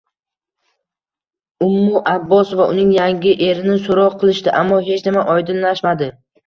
Ummu Abbos va uning yangi erini so`roq qilishdi, ammo hech nima oydinlashmadi